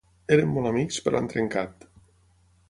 Eren molt amics, però han trencat.